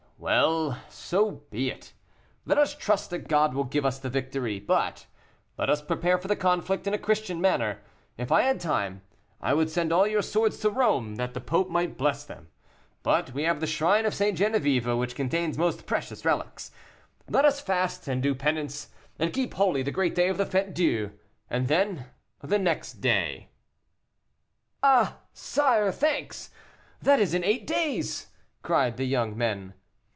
"Well! so be it. Let us trust that God will give us the victory. But let us prepare for the conflict in a Christian manner. If I had time, I would send all your swords to Rome, that the Pope might bless them. But we have the shrine of St. Genevieve, which contains most precious relics: let us fast, and do penance, and keep holy the great day of the Fête Dieu, and then the next day " "Ah! sire, thanks; that is in eight days!" cried the young men.